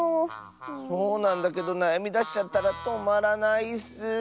そうなんだけどなやみだしちゃったらとまらないッス。